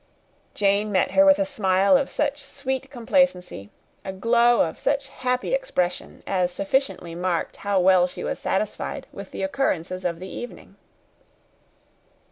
Jane met her with a smile of such sweet complacency, a glow of such happy expression, as sufficiently marked how well she was satisfied with the occurrences of the evening.